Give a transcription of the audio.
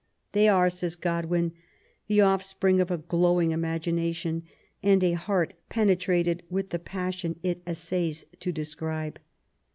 '* They are," says Godwin, <'the offspring of a glowing imagination, and a heart penetrated with the passion it essays to describe."